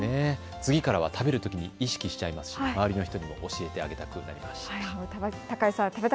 次からは食べるときに意識しちゃいますし周りの人にも教えたあげたくなりました。